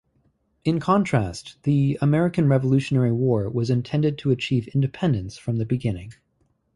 In contrast, the American Revolutionary War was intended to achieve independence from the beginning.